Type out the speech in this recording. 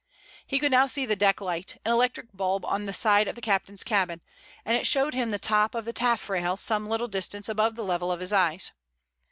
He could now see the deck light, an electric bulb on the side of the captain's cabin, and it showed him the top of the taffrail some little distance above the level of his eyes.